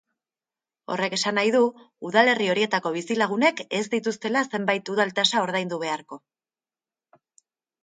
Horrek esan nahi du udalerri horietako bizilagunek ez dituztela zenbait udal-tasa ordaindu beharko.